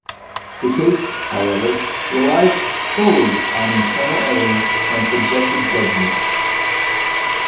The case, however, relies solely upon internal evidence and subjective judgements.